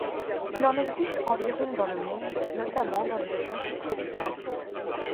Il en existe environ dans le monde, notamment dans les régions subtropicales.